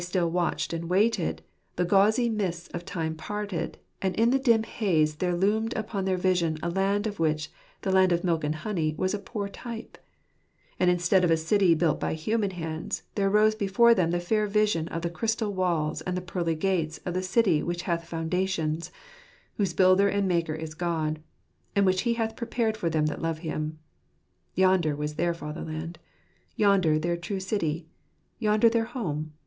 still watched and waited, the gauzy mists of time parted, and in the dim haze there loomed upon their vision a land of which the land of milk and honey was a poor type; and instead of a city built by human hands, there arose before them the fair vision of the crystal walls and the pearly gates of the city which hath foundations, whose builder and maker is God, and which He hath prepared for them that love Him. Yonder was their fatherland. Yonder their true city. Yonder their home.